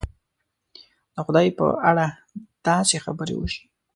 د خدای په اړه داسې خبرې وشي.